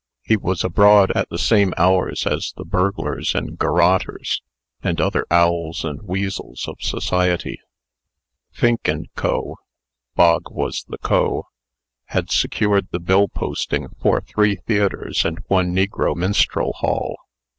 He was abroad at the, same hours as the burglars and garroters, and other owls and weasels of society. Fink & Co. (Bog was the Co.) had secured the bill posting for three theatres and one negro minstrel hall.